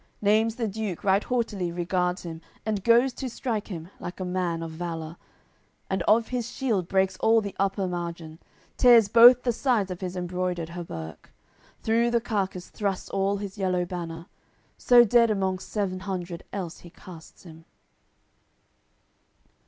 Naimes the Duke right haughtily regards him, And goes to strike him, like a man of valour, And of his shield breaks all the upper margin, Tears both the sides of his embroidered ha'berk, Through the carcass thrusts all his yellow banner; So dead among sev'n hundred else he casts him.